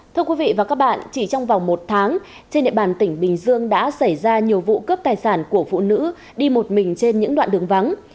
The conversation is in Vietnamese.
thưa quý vị và các bạn chỉ trong vòng một tháng trên địa bàn tỉnh bình dương đã xảy ra nhiều vụ cướp tài sản của phụ nữ đi một mình trên những đoạn đường vắng